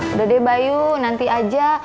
udah deh bayu nanti aja